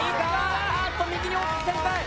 あっと右に大きく旋回。